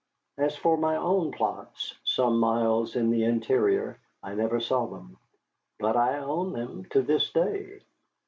As for my own plots, some miles in the interior, I never saw them. But I own them to this day.